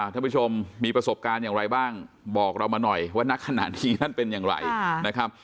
ท่านผู้ชมมีประสบการณ์อย่างไรบ้างบอกเรามาหน่อยว่านักขณะนี้นั่นเป็นอย่างไรนะครับ